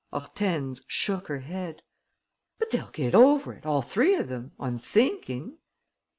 Hortense shook her head: "But they'll get over it, all three of them, on thinking!"